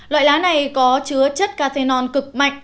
loại lá này có chứa chất cathenon cực mạnh